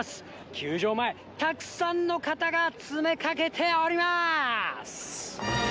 球場前、たくさんの方が詰めかけております。